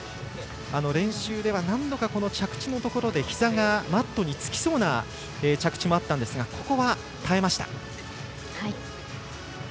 練習では何度か着地のところでひざがマットにつきそうな着地もあったんですがここは耐えました。